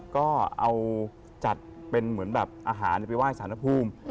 ก็เอาจัดเป็นเหมือนแบบอาหารไปไหว้สารภูมิ